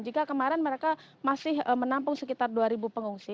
jika kemarin mereka masih menampung sekitar dua pengungsi